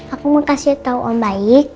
aku mau kasih tau om baik